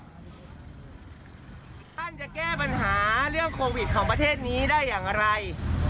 ท่านจะแก้ปัญหาเรื่องโควิดของประเทศนี้ได้อย่างไร